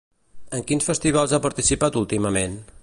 En quins festivals ha participat últimament?